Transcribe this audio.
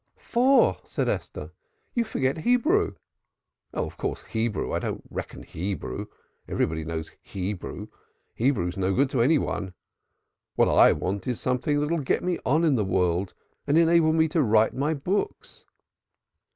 "Four!" said Esther, "you forget Hebrew!" "Oh, of course, Hebrew. I don't reckon Hebrew. Everybody knows Hebrew. Hebrew's no good to any one. What I want is something that'll get me on in the world and enable me to write my books."